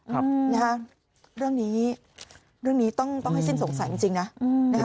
ครับนะฮะเรื่องนี้เรื่องนี้ต้องต้องให้สิ้นสงสัยจริงจริงนะอืมนะคะ